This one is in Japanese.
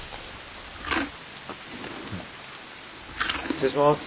失礼します！